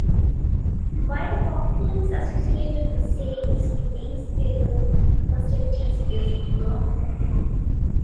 Why the populace associated the saints to these pagan festivities is not known.